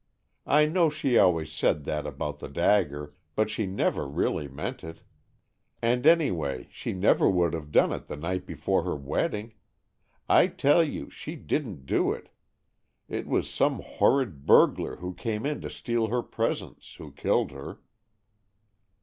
I know she always said that about the dagger, but she never really meant it, and any way she never would have done it the night before her wedding. I tell you she didn't do it! It was some horrid burglar who came in to steal her presents, who killed her."